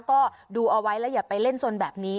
ก็ดูเอาไว้แล้วอย่าไปเล่นสนแบบนี้